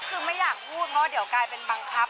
คือไม่อยากพูดเพราะเดี๋ยวกลายเป็นบังคับ